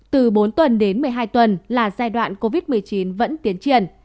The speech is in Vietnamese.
từ bốn tuần đến một mươi hai tuần là giai đoạn covid một mươi chín vẫn tiến triển